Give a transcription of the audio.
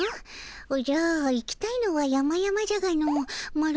おじゃ行きたいのはやまやまじゃがのマロ